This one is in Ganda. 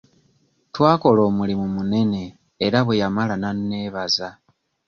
Twakola omulimu munene era bwe yamala n'anneebaza.